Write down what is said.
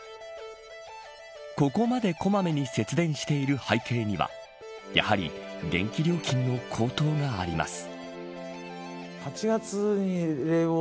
ここまでこまめに節電している背景にはやはり電気料金の高騰があります。